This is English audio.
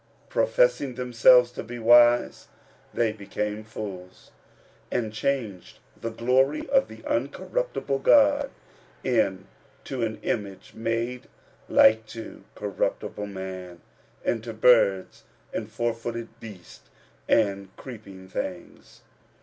45:001:022 Professing themselves to be wise, they became fools, 45:001:023 And changed the glory of the uncorruptible God into an image made like to corruptible man, and to birds, and fourfooted beasts, and creeping things.